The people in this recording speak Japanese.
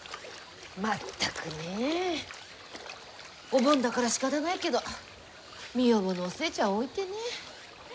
全くねえ。お盆だからしかたないけど身重のお寿恵ちゃんを置いてね。